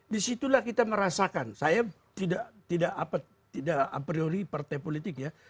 disitulah kita merasakan saya tidak a priori partai politik ya